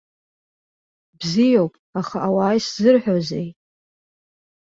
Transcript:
Бзиоуп, аха ауаа исзырҳәозеи?